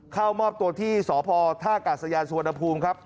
เข้ามอบตัวที่สพท่ากาศยานสุวรรณภูมิครับ